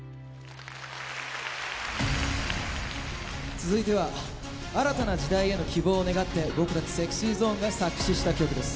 続いては新たな時代への希望を願って僕たちＳｅｘｙＺｏｎｅが作詞した曲です。